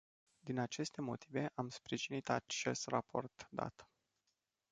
Din aceste motive, am sprijinit acest raport dat.